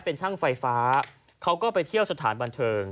เป็นช่างไฟฟ้าเขาก็ไปเที่ยวสถานบันเทิง